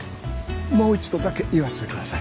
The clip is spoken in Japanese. もう一度だけ言わせてください。